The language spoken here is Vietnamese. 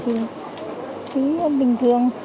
thì cứ bình thường